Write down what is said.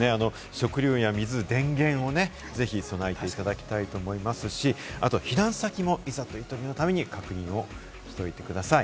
食料や水、電源をぜひ備えていただきたいと思いますし、あと避難先も、いざというときのために確認をしておいてください。